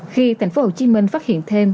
khi thành phố hồ chí minh phát hiện thêm